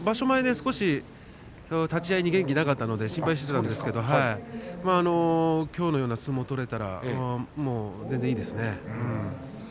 前、少し立ち合いに元気がなかったので心配していたんですけれどきょうのような相撲が取れたら全然いいですね。